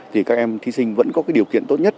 thì các em thí sinh vẫn có cái điều kiện tốt nhất